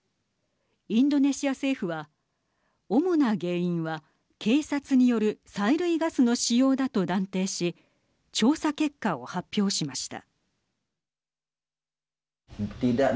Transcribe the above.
インドネシア政府は主な原因は警察による催涙ガスの使用だと断定し調査結果を発表しました。